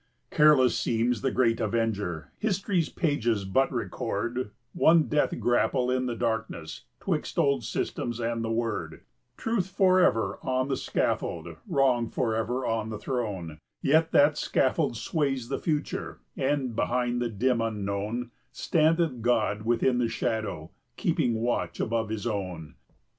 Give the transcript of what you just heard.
] Careless seems the great Avenger; history's pages but record One death grapple in the darkness 'twixt old systems and the Word; Truth forever on the scaffold, Wrong forever on the throne, Yet that scaffold sways the future, and, behind the dim unknown, Standeth God within the shadow, keeping watch above his own.